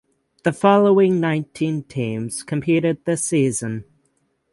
The following nineteen teams competed this season.